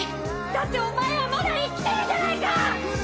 だってお前はまだ生きてるじゃないか！